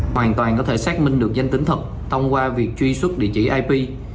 hoàn toàn có thể xác minh được danh tính thật thông qua việc truy xuất địa chỉ ip